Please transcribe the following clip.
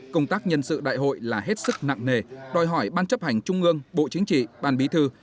công tác nhân sự đại hội là hết sức nặng nề đòi hỏi ban chấp hành trung ương bộ chính trị ban bí thư